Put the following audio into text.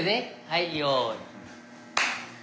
はいよい。